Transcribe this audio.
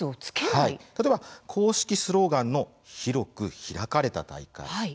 例えば、公式スローガンの「広く開かれた大会」